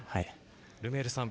ルメールさん